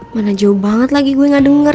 mana jauh banget lagi gue gak denger